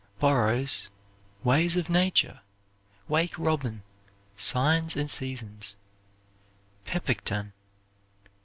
Burroughs' "Ways of Nature," "Wake Robin," "Signs and Seasons," "Pepacton."